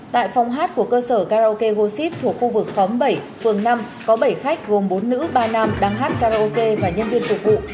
tại phòng hát của cơ sở karaoke goxide thuộc khu vực khóm bảy phường năm có bảy khách gồm bốn nữ ba nam đang hát karaoke và nhân viên phục vụ